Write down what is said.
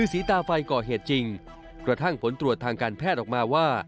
สีตาไฟก่อเหตุจริงกระทั่งผลตรวจทางการแพทย์ออกมาว่า